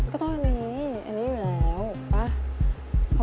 ก็ต้องมีอันนี้อยู่แล้ว